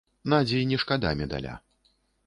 Надзі не шкада медаля.